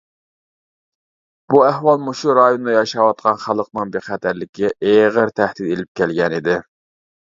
بۇ ئەھۋال مۇشۇ رايوندا ياشاۋاتقان خەلقىنىڭ بىخەتەرلىكىگە ئېغىر تەھدىت ئېلىپ كەلگەن ئىدى.